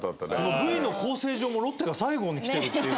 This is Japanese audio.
Ｖの構成上もロッテが最後にきてるっていうね。